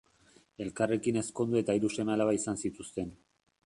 Elkarrekin ezkondu eta hiru seme-alaba izan zituzten.